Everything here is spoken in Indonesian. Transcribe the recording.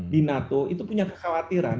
di nato itu punya kekhawatiran